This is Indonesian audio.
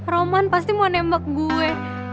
roman pasti mau nembak gue